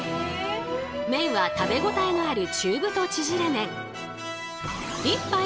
麺は食べ応えのある中太ちぢれ麺。